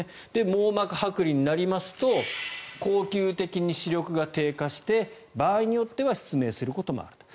網膜はく離になりますと恒久的に視力が低下して場合によっては失明することもあると。